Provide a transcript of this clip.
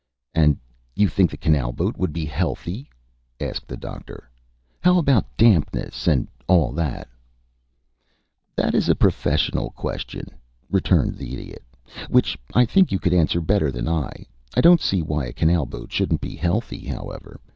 "And you think the canal boat would be healthy?" asked the Doctor. "How about dampness and all that?" "That is a professional question," returned the Idiot, "which I think you could answer better than I. I don't see why a canal boat shouldn't be healthy, however.